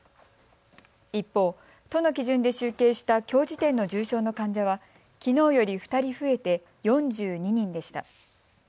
一方、都の基準で集計したきょう時点の重症の患者はきのうより２人増えて４２人でした。